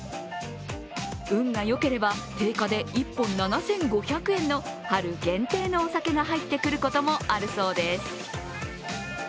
運が良ければ定価で１本７５００円の春限定のお酒が入ってくることもあるそうです。